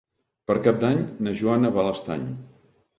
Per Cap d'Any na Joana va a l'Estany.